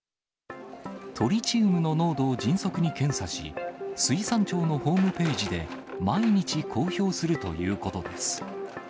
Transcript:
トリチウムの濃度を迅速に検査し、水産庁のホームページで毎日公表するということです。